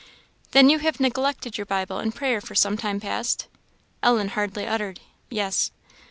"Then you have neglected your Bible and prayer for some time past?" Ellen hardly uttered, "Yes."